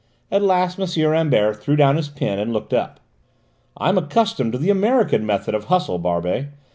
At last M. Rambert threw down his pen and looked up. "I'm accustomed to the American method of hustle, Barbey.